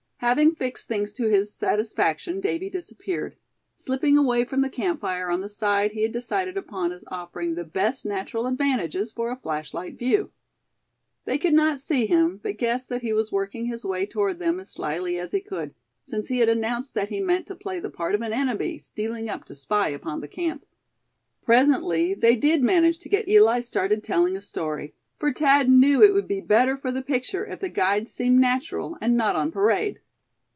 Having fixed things to his satisfaction, Davy disappeared, slipping away from the camp fire on the side he had decided upon as offering the best natural advantages for a flashlight view. They could not see him, but guessed that he was working his way toward them as slily as he could; since he had announced that he meant to play the part of an enemy, stealing up to spy upon the camp. Presently they did manage to get Eli started telling a story; for Thad knew it would be better for the picture if the guides seemed natural, and not on parade.